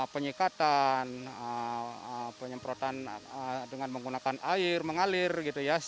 penyekatan penyemprotan dengan menggunakan air mengalir gitu ya